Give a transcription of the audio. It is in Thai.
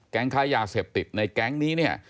ค้ายาเสพติดในแก๊งนี้เนี่ย